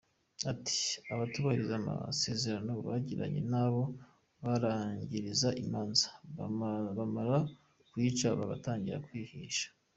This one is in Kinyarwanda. Ati “Abatubahiriza amasezerano bagiranye n’abo barangiriza imanza, bamara kuyica bagatangira kwihisha.